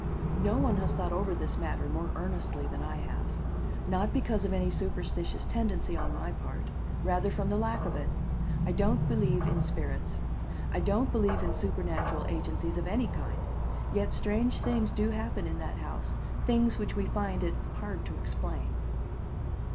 No one has thought over this matter more earnestly than I have. Not because of any superstitious tendency on my part; rather from the lack of it. I don't believe in spirits. I don't believe in supernatural agencies of any kind; yet strange things do happen in that house, things which we find it hard to explain."